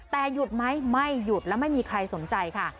แต่หยุดไหมไม่หยุดแล้วไม่มีใครสนใจค่ะ